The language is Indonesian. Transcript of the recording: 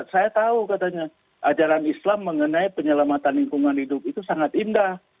saya tahu katanya ajaran islam mengenai penyelamatan lingkungan hidup itu sangat indah